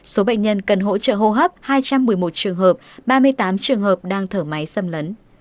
số bệnh nhân cần hỗ trợ hô hấp hai trăm một mươi một trường hợp ba mươi tám trường hợp đang thở máy xâm lấn